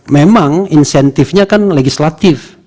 memang insentifnya kan legislatif